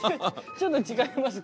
ちょっと違いますけど。